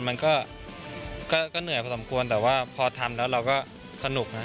มันก็เหนื่อยพอสมควรแต่ว่าพอทำแล้วเราก็สนุกนะ